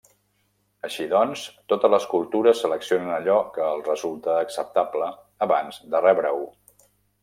Així, doncs, totes les cultures seleccionen allò que els resulta acceptable, abans de rebre-ho.